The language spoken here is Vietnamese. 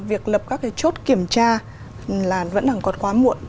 việc lập các cái chốt kiểm tra là vẫn đang có quá muộn